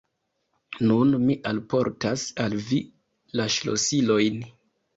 Nun mi alportas al vi la ŝlosilojn!